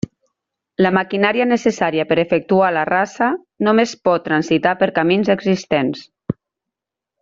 La maquinària necessària per efectuar la rasa només pot transitar per camins existents.